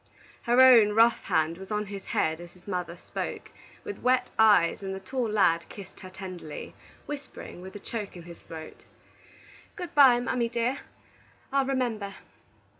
Her own rough hand was on his head as his mother spoke, with wet eyes, and the tall lad kissed her tenderly, whispering, with a choke in his throat: "Good by, mammy dear; I'll remember."